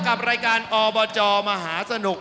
กับรายการอบจมหาสนุก